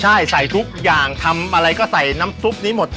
ใช่ใส่ทุกอย่างทำอะไรก็ใส่น้ำซุปนี้หมด